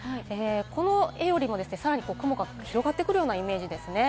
この画よりもさらに雲が広がってくるイメージですね。